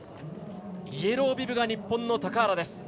イエロービブが日本の高原。